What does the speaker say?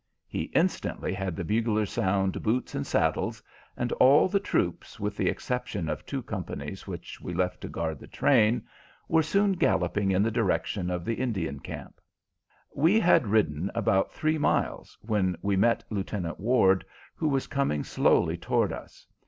He instantly had the bugler sound "boots and saddles," and all the troops, with the exception of two companies which we left to guard the train, were soon galloping in the direction of the Indian camp. We had ridden about three miles, when we met Lieutenant Ward, who was coming slowly toward us.